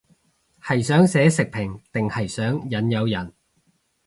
係想寫食評定係想引誘人